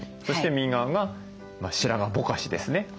そして右側が白髪ぼかしですね。